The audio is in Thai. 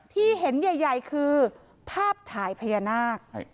ที่เห็นใหญ่คือภาพถ่ายพญานาค